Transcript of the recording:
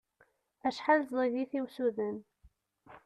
Acḥal ẓid-it i usuden!